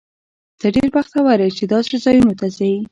ته ډېر بختور یې، چې داسې ځایونو ته ځې.